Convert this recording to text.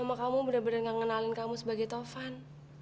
mama kamu bener bener gak ngenalin kamu sebagai tovan